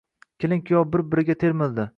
Kelin-kuyov bir-biriga termuldi